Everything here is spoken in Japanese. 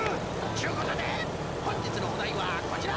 ちゅうことでほんじつのおだいはこちら！